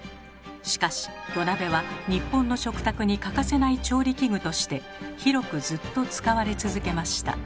しかし土鍋は日本の食卓に欠かせない調理器具として広くずっと使われ続けました。